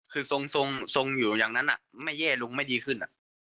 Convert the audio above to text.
คือทรงอยู่อย่างนั้นไม่แย่ลุงไม่ดีขึ้น